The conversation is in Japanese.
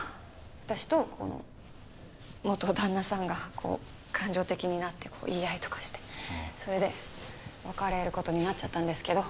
私と元旦那さんがこう感情的になって言い合いとかしてそれで別れる事になっちゃったんですけど。